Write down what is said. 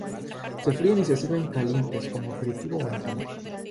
Se fríen y se sirven calientes como aperitivo o entrante.